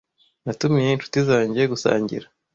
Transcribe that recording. Natumiye inshuti zanjye gusangira.